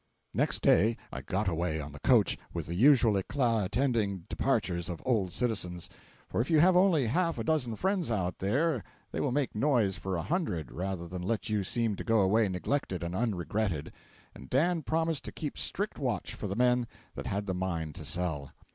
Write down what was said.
Next day I got away, on the coach, with the usual eclat attending departures of old citizens,—for if you have only half a dozen friends out there they will make noise for a hundred rather than let you seem to go away neglected and unregretted—and Dan promised to keep strict watch for the men that had the mine to sell.